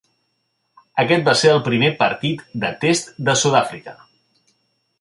Aquest va ser el primer partit de Test de Sud-àfrica.